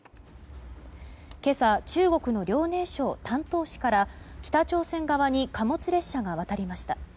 今朝、中国の遼寧省丹東市から北朝鮮側に貨物列車が渡りました。